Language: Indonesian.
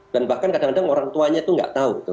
dan bahkan kadang kadang orang tuanya itu tidak tahu